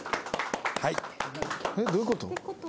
えっ？どういうこと？